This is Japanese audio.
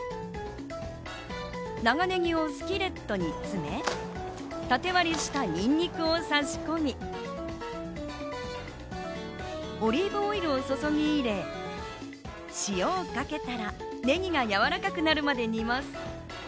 長ネギをスキレットに詰め、縦割りしたニンニクを差し込み、オリーブオイルを注ぎ入れ、塩をかけたらネギがやわらかくなるのを待ちます。